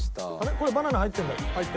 これバナナ入ってるんだっけ？